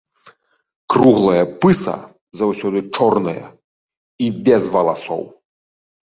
Круглая пыса заўсёды чорная і без валасоў.